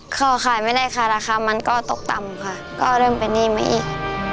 ก็ขายไม่ได้ค่ะราคามันก็ตกต่ำค่ะก็เริ่มเป็นหนี้มาอีก